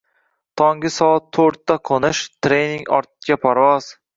Tonggi soat toʻrtda qoʻnish, trening, ortga parvoz.